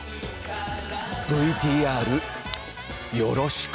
ＶＴＲよろしこ。